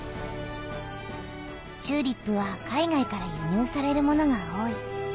チューリップは海外からゆにゅうされるものが多い。